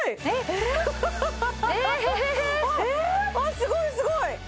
あっすごいすごい！